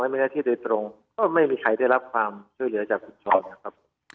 มีหน้าที่โดยตรงก็ไม่มีใครได้รับความช่วยเหลือจากคุณช้อนนะครับ